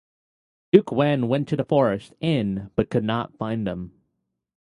Duke Wen went to the forest in but could not find them.